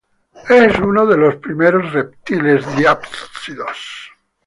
Es uno de los primeros reptiles diápsidos.